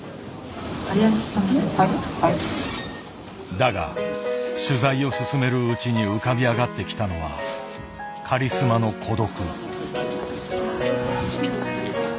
だが取材を進めるうちに浮かび上がってきたのはカリスマの孤独。